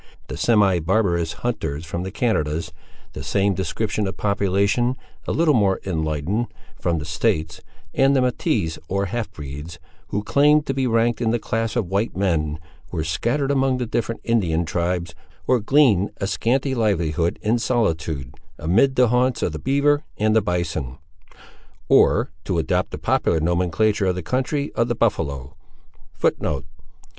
The semi barbarous hunters from the Canadas, the same description of population, a little more enlightened, from the States, and the metiffs or half breeds, who claimed to be ranked in the class of white men, were scattered among the different Indian tribes, or gleaned a scanty livelihood in solitude, amid the haunts of the beaver and the bison; or, to adopt the popular nomenclature of the country of the buffaloe.